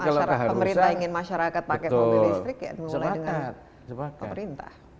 kalau pemerintah ingin masyarakat pakai mobil listrik ya mulai dengan pemerintah